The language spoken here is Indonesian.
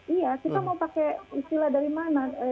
iya kita mau pakai istilah dari mana